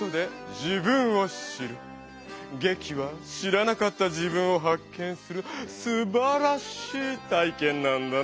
劇は知らなかった自分を発見するすばらしい体けんなんだな。